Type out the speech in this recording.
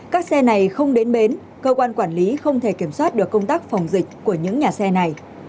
các xe này không đến bến cơ quan quản lý không thể kiểm soát được công tác phòng dịch của những nhà xe này